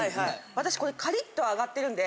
私これカリッと揚がってるんで。